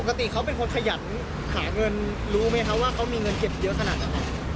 ปกติเขาเป็นคนขยันหาเงินรู้ไหมคะว่าเขามีเงินเก็บเยอะขนาดนั้น